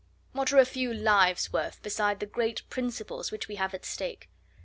What are a few lives worth beside the great principles which we have at stake?"